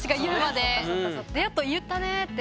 で「やっと言ったね」って。